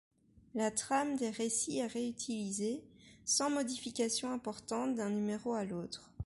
La trame des récits est réutilisée, sans modifications importantes d'un numéro à l'autre.